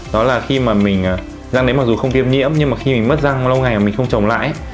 đó là khi mà mình răng đấy mặc dù không tiêm nhiễm nhưng mà khi mình mất răng lâu ngày mà mình không trồng lại